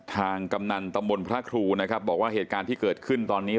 กำนันตำบลพระครูนะครับบอกว่าเหตุการณ์ที่เกิดขึ้นตอนนี้